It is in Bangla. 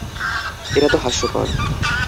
এটা তো হাস্যকর!